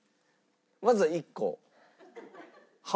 まずは１個。